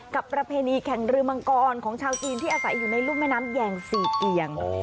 กับประเพณีค่างรึมังกรของชาวจีนที่อาศัยอยู่ในลุงแม่น้ำแงศรีเกียง